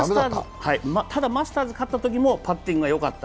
ただマスターズ勝ったときもパッティングがよかった。